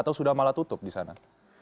atau sudah malah tutup di sana